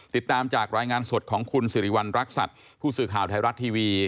ติดตามจากรายงานสดของคุณสิริวัณรักษัตริย์ผู้สื่อข่าวไทยรัฐทีวี